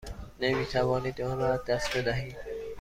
نمی توانید آن را از دست بدهید.